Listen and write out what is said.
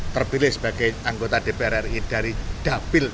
terpilih sebagai anggota dpr ri dari dapil